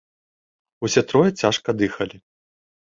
Усе трое цяжка дыхалі.